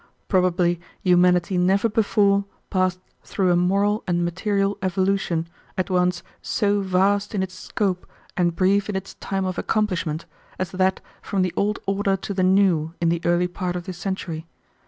Probably humanity never before passed through a moral and material evolution, at once so vast in its scope and brief in its time of accomplishment, as that from the old order to the new in the early part of this century.